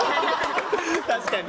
確かに。